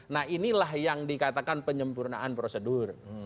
nah inilah yang dikatakan penyempurnaan prosedur